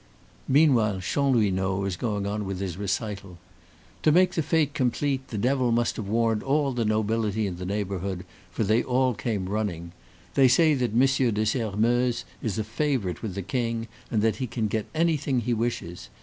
Meanwhile, Chanlouineau was going on with his recital. "To make the fete complete, the devil must have warned all the nobility in the neighborhood, for they all came running. They say that Monsieur de Sairmeuse is a favorite with the King, and that he can get anything he wishes.